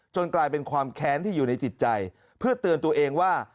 กลายเป็นความแค้นที่อยู่ในจิตใจเพื่อเตือนตัวเองว่า